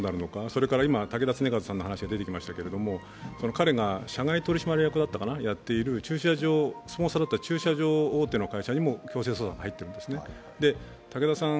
それから今、竹田恒和さんの話が出てきましたけれども、彼が社外取締役だったかやっている駐車場大手の会社にも強制捜査が入ってるんですよね。